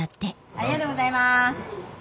ありがとうございます。